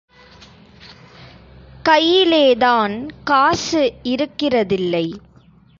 கையிலேதான் காசு இருக்கிறதில்லை.